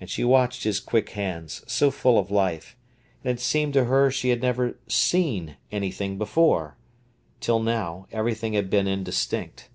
And she watched his quick hands, so full of life, and it seemed to her she had never seen anything before. Till now, everything had been indistinct.